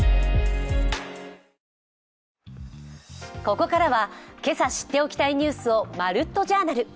ここからは今朝知っておきたいニュースを「まるっと！Ｊｏｕｒｎａｌ」